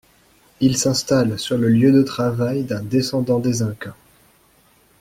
Il s'installe sur le lieu de travail d'un descendant des incas.